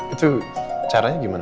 itu caranya gimana